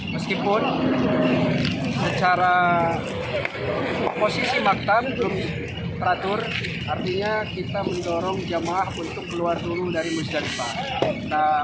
meskipun secara posisi maktam belum teratur artinya kita mendorong jemaah untuk keluar dulu dari musdalifah